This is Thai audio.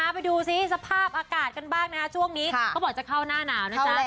ไปดูซิสภาพอากาศกันบ้างนะคะช่วงนี้เขาบอกจะเข้าหน้าหนาวนะจ๊ะ